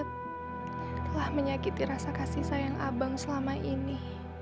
telah menyakiti rasa kasih sayang abang selama ini